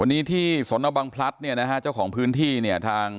วันนี้ที่สนบังพลัดเนี่ยนะฮะเจ้าของพื้นที่เนี่ยทาง